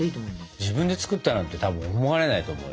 自分で作ったなんてたぶん思われないと思うよ。